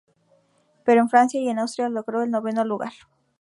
Pero en Francia y en Austria logró el noveno lugar.